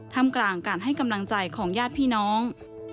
ทำกลางการให้กำลังใจของญาติพี่น้อง